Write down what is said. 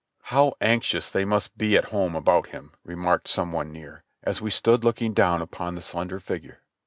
"How anxious they must be at home about him," remarked some one near, as we stood looking down upon the slender figure.